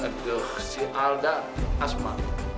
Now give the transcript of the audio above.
aduh si alda asma